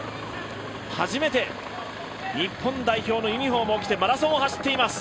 初めて日本代表のユニフォームを着てマラソンを走っています。